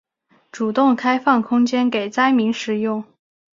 主动开放空间给灾民使用